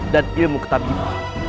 dan ilmu ketabih